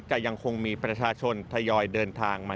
ยังคงมีประชาชนทยอยเดินทางมา